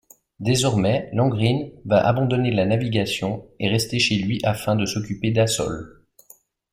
Désormais Longrine va abandonner la navigation et rester chez lui afin de s'occuper d'Assol.